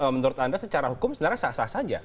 menurut anda secara hukum sebenarnya sah sah saja